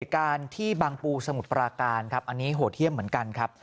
การที่บางปูสมุทรปราการครับอันนี้โหดเยี่ยมเหมือนกันครับ